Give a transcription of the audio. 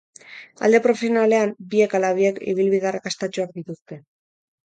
Alde profesionalean, biek ala biek ibilbide arrakastatsuak dituzte.